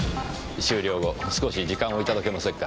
終了後少し時間をいただけませんか？